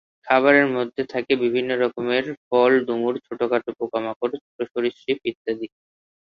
খাবারের মধ্যে থাকে বিভিন্ন ধরনের ফল, ডুমুর, ছোটো ছোটো পোকামাকড়, ছোটো সরীসৃপ ইত্যাদি।